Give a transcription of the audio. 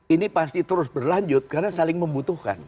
ini pasti terus berlanjut karena saling membutuhkan